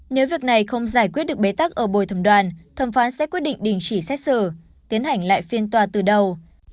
nếu việc này không giải quyết được bế tắc ở bồi thẩm đoàn thẩm phán sẽ quyết định đình chỉ xét xử tiến hành lại phiên tòa từ đầu